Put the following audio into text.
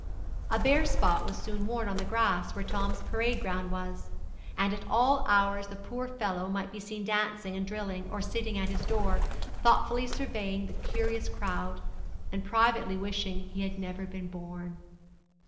A bare spot was soon worn on the grass where Tom's parade ground was, and at all hours the poor fellow might be seen dancing and drilling, or sitting at his door, thoughtfully surveying the curious crowd, and privately wishing he never had been born.